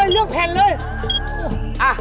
เลือกแผ่นเลย